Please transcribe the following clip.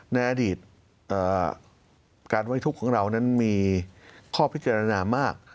ในอดีตการไว้ทุกข์ของเรานั้นมีข้อพิจารณามาก